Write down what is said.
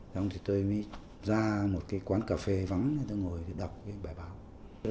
xong thì tôi mới ra một cái quán cà phê vắng tôi ngồi đọc cái bài báo